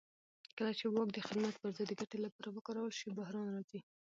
کله چې واک د خدمت پر ځای د ګټې لپاره وکارول شي بحران راځي